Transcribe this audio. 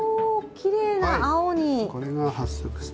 きれいな青に。